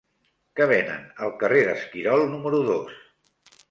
Què venen al carrer d'Esquirol número dos?